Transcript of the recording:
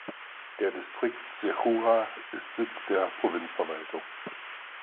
Der Distrikt Sechura ist Sitz der Provinzverwaltung.